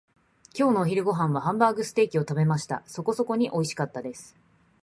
今日のお昼ご飯はハンバーグステーキを食べました。そこそこにおいしかったです。